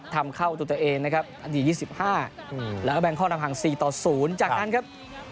ทำเข้าตัวเองนะครับนาที๒๕แล้วก็แบงคลอร์กนำหัง๔๐จากนั้นครับ